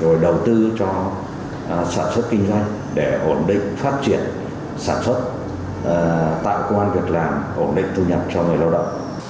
rồi đầu tư cho sản xuất kinh doanh để ổn định phát triển sản xuất tạo công an việc làm ổn định thu nhập cho người lao động